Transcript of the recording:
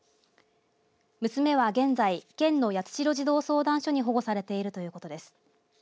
娘は現在県の八代児童相談所に保護されているということです。